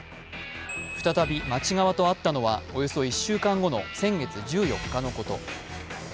再び町側と会ったのはおよそ１週間後の先月１４日のこと。